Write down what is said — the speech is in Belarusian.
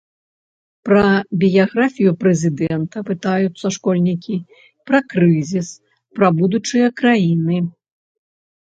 Пра біяграфію прэзідэнта пытаюцца школьнікі, пра крызіс, пра будучае краіны.